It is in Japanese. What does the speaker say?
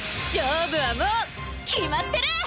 勝負はもう決まってる！